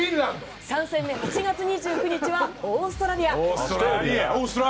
３戦目、８月２９日はオーストラリア。